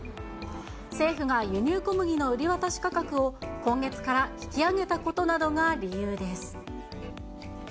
政府が輸入小麦の売り渡し価格を、今月から引き上げたことなどが理由です。